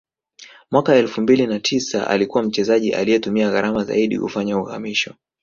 mwaka elfu mbili na tisa alikuwa mchezaji aliye tumia gharama zaidi kufanya uhamisho